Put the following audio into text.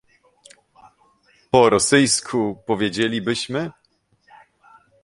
Po rosyjsku powiedzielibyśmy